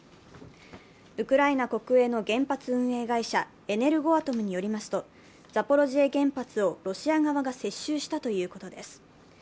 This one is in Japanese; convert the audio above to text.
ウクライナ国営の原発運営会社エネルゴアトムによりますとザポロジエ原発をロシア側が接収したということです。